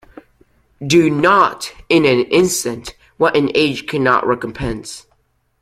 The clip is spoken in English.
Do not in an instant what an age cannot recompense.